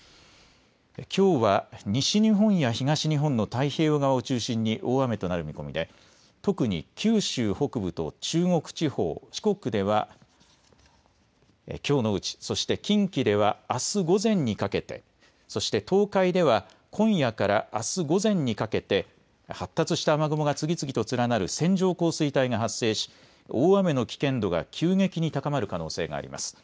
きょうは西日本や東日本の太平洋側を中心に大雨となる見込みで特に九州北部と中国地方、四国ではきょうのうち、そして近畿ではあす午前にかけて、そして東海では今夜からあす午前にかけて発達した雨雲が次々と連なる線状降水帯が発生し大雨の危険度が急激に高まる可能性があります。